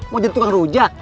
mau jadi tukang rujak